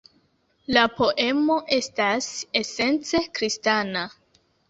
La poemo estas esence kristana.